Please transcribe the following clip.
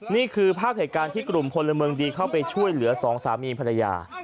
นี่คือภาพเหตุการณ์ที่กลุ่มพลเมืองดีเข้าไปช่วยเหลือสองสามีภรรยา